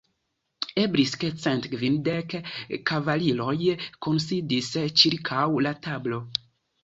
Eblis ke cent kvindek kavaliroj kunsidis ĉirkaŭ la tablo.